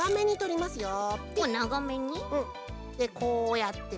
でこうやって。